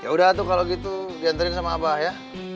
yaudah tuh kalo gitu diantriin sama abah ya